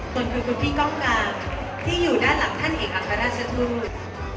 ตนคือคุณพี่ก้องกลางที่อยู่ด้านหลังท่านเอกอัครราชทูต